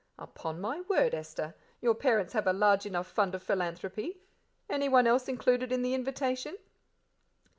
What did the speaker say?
"Upon my word, Esther, your parents have a large enough fund of philanthropy. Anyone else included in the invitation?"